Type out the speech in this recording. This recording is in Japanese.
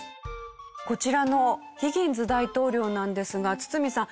こちらのヒギンズ大統領なんですが堤さん